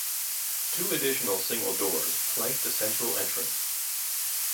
Two additional single doors flank the central entrance.